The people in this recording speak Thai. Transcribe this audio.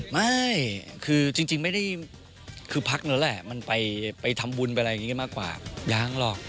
ไม่จริงไม่ได้คือพัดแล้วแหละไปทำบุญไปอะไรชินมากกว่ายางหรอก